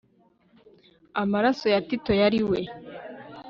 Amaraso ya Tito yari we